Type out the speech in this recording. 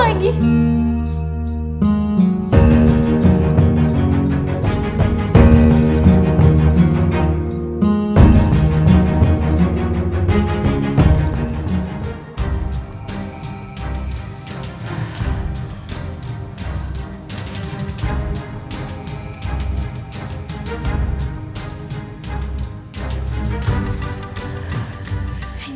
enggak itu keragaman